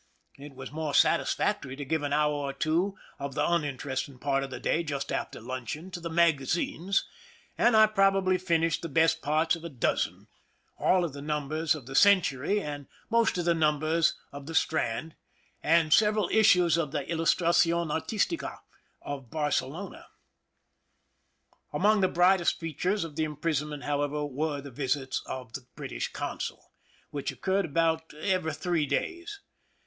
It was more satisfactory to give an hour or two of the uninteresting part of the day, just after luncheon, to the magazines, and I probably finished the best parts of a dozen— all of the numbers of the " Century," and most of the numbers of the " Strand," and several issues of the " Ilustracion Artistica " of Barcelona. Among the brightest features of the imprison ment, however, were the visits of the British consul, which occurred about every three days.